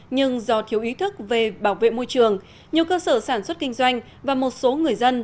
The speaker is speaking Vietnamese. nhưng do thiếu ý thức về bảo vệ môi trường nhiều cơ sở sản xuất kinh doanh và một số người dân